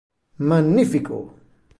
¡Magnífico!